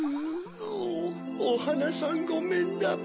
うぅおはなさんごめんだべ。